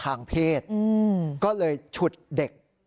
ร้านของรัก